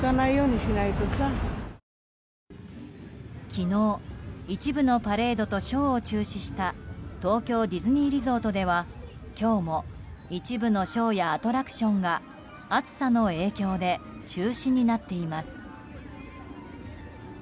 昨日、一部のパレードとショーを中止した東京ディズニーリゾートでは今日も一部のショーやアトラクションが暑さの影響で中止になっています。